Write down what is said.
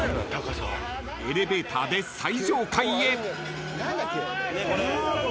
［エレベーターで最上階へ］